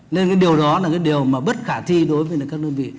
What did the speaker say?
nên điều đó là điều bất khả thi đối với các đơn vị